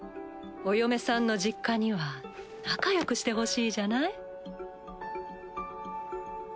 お嫁さんの実家には仲よくしてほしいじゃない？